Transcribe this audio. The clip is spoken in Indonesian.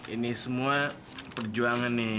ini semua perjuangan nih